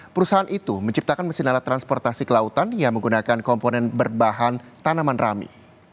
perusahaan itu menciptakan mesin alat transportasi kelautan yang menggunakan komponen berbahan tanaman rami